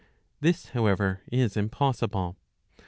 This, however, is impossible.